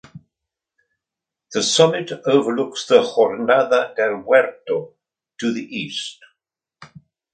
The summit overlooks the Jornada del Muerto to the east.